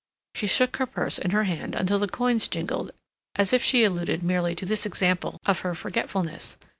She shook her purse in her hand until the coins jingled, as if she alluded merely to this example of her forgetfulness.